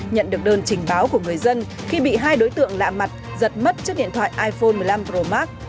nhận được đơn trình báo của người dân khi bị hai đối tượng lạ mặt giật mất trước điện thoại iphone một mươi năm pro max